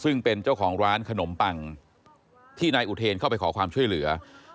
ซึ่งเป็นเจ้าของร้านขนมปังที่นายอุเทนเข้าไปขอความช่วยเหลือ